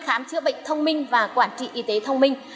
khám chữa bệnh thông minh và quản trị y tế thông minh